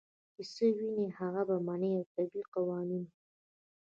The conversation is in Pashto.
چې څۀ ويني هغه مني او د طبعي قوانینو